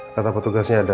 kata protograsnya ada